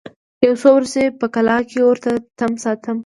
یو څو ورځي په کلا کي ورته تم سو